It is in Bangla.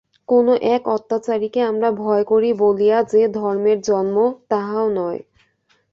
কোন এক অত্যাচারীকে আমরা ভয় করি বলিয়া যে ধর্মের জন্ম, তাহাও নয়।